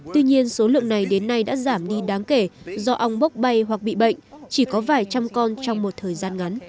tuy nhiên số lượng này đến nay đã giảm đi đáng kể do ong bốc bay hoặc bị bệnh chỉ có vài trăm con trong một thời gian ngắn